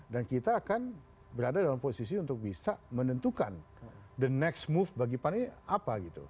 dan kita akan berada dalam posisi untuk bisa menentukan the next move bagi pan ini apa gitu